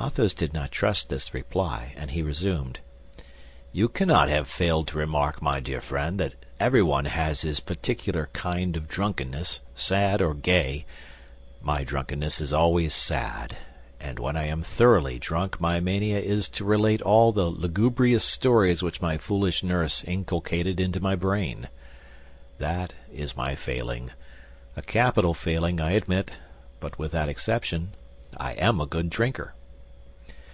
Athos did not trust this reply, and he resumed; "you cannot have failed to remark, my dear friend, that everyone has his particular kind of drunkenness, sad or gay. My drunkenness is always sad, and when I am thoroughly drunk my mania is to relate all the lugubrious stories which my foolish nurse inculcated into my brain. That is my failing—a capital failing, I admit; but with that exception, I am a good drinker."